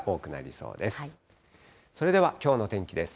それではきょうの天気です。